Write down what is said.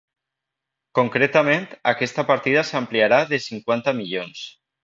Concretament, aquesta partida s’ampliarà de cinquanta milions.